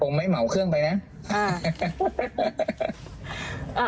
ผมไม่เหมาเครื่องไปนะ